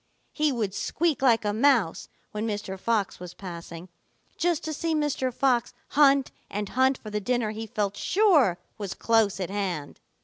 He would squeak like a mouse when Mr. Fox was passing, just to see Mr. Fox hunt and hunt for the dinner he felt sure was close at hand.